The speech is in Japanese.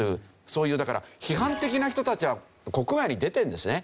そういうだから批判的な人たちは国外に出てるんですね。